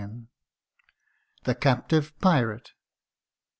197 THE CAPTIVE PIRATE.